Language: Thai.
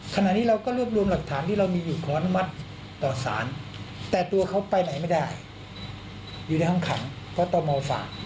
ขณะนี้เราก็รวบรวมหลักฐานที่เรามีอยู่ขออนุมัติต่อสารแต่ตัวเขาไปไหนไม่ได้อยู่ในห้องขังก็ตมฝาก